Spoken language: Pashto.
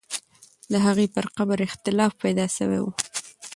د هغې پر قبر اختلاف پیدا سوی وو.